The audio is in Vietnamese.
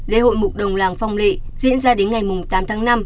lễ hội mục đồng làng phong lệ diễn ra đến ngày tám tháng năm